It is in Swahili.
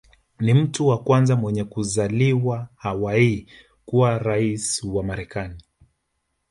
Ni mtu wa kwanza mwenye kuzaliwa Hawaii kuwa rais wa Marekani